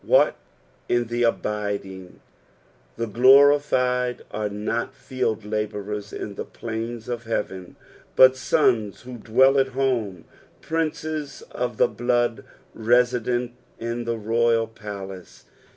What in the abiding) The glorified are not field labourera in the plains of heaven, but sons who dwell at home, princes of (he blood, resident in the royal palace.